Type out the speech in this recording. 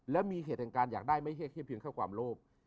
แล้วมีเหตุแห่งการอยากได้ไม่แค่เพียงเข้าความโลก